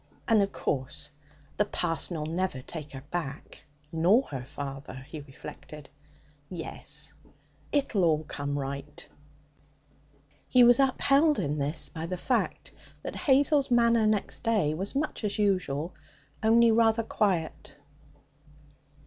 'And, of course, the parson'll never take her back, nor her father,' he reflected. 'Yes, it'll all come right.' He was upheld in this by the fact that Hazel's manner next day was much as usual, only rather quiet.